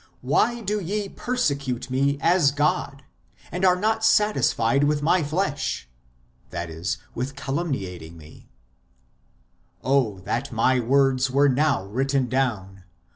Why do ye persecute me as God, And are not satisfied with my flesh ? [i.e. with calum niating me]. Oh that my words were now written down